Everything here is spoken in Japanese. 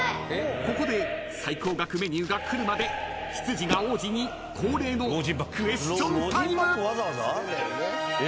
［ここで最高額メニューが来るまで執事が王子に恒例のクエスチョンタイム］